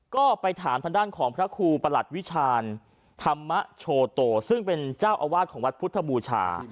ก็ไปถามทางด้านของพระครูประหลัดวิชาญธรรมโชโตซึ่งเป็นเจ้าอาวาสของวัดพุทธบูชา